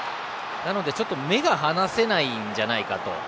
なので目が離せないんじゃないかと。